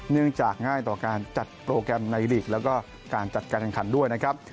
เนื่องจากง่ายต่อการจัดโปรแกรมในหลีกแล้วก็การจัดการแข่งขันด้วยนะครับ